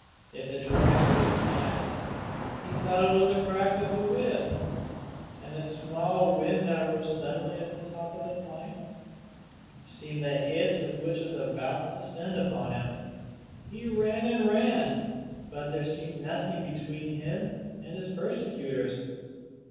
If a dry twig snapped, he thought it was the crack of the whip; and a small wind that rose suddenly in the top of a pine, seemed the hiss with which it was about to descend upon him. He ran and ran, but still there seemed nothing between him and his persecutors.